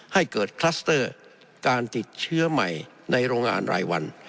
ให้เกิดคลัสเตอร์การติดเชื้อใหม่ในโรงงานรายวัน